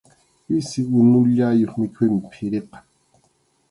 Pisi unullayuq mikhuymi phiriqa.